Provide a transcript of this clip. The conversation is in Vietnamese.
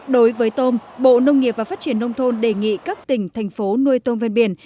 đối với tôm bộ nông nghiệp và phát triển nông thôn đề nghị các tỉnh thành phố nuôi tôm ven biển